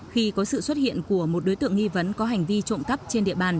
khi có sự xuất hiện của một đối tượng nghi vấn có hành vi trộm cắp trên địa bàn